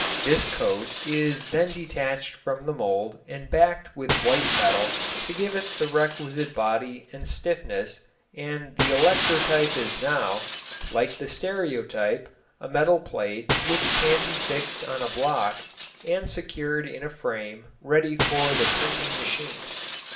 This coat is then detached from the mould and backed with white metal to give it the requisite body and stiffness and the electrotype is now, like the stereotype, a metal plate which can be fixed on a block and secured in a frame ready for the printing machine.